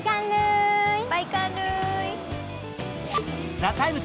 「ＴＨＥＴＩＭＥ，」